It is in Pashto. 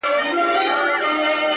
زه ، ته او سپوږمۍ،